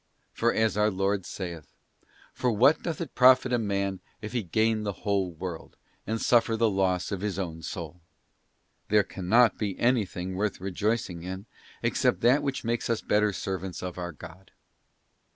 For as our Lord saith: 'For what doth it profit a man if he gain the whole world, and suffer the loss of his own soul?' There cannot be anything worth rejoicing in except that which makes us better servants of our God.